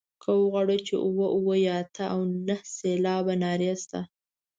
که وغواړو چې اووه اووه یا اته او نهه سېلابه نارې شته.